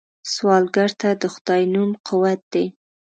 سوالګر ته د خدای نوم قوت دی